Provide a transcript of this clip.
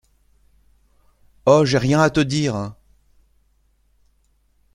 Oh j'ai rien à te dire.